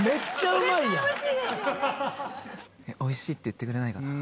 美味しいって言ってくれないかな。